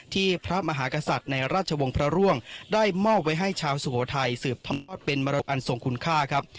พระมหากษัตริย์ในราชวงศ์พระร่วงได้มอบไว้ให้ชาวสุโขทัยสืบเป็นมรดอันทรงคุณค่าครับ